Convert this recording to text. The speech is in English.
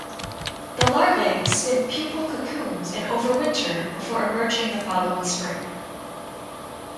The larvae spin pupal cocoons and overwinter before emerging the following spring.